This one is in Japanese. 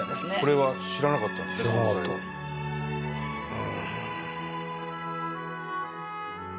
うん。